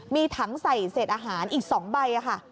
มีถังใส่เศษอาหารอีก๒ใบค่ะ